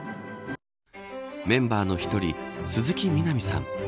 メンバーの１人、鈴木南美さん。